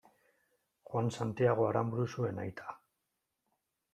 Juan Santiago Aranburu zuen aita.